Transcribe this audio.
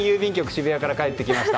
渋谷から帰ってきました。